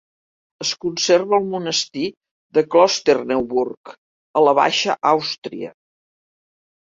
Es conserva al monestir de Klosterneuburg, a la Baixa Àustria.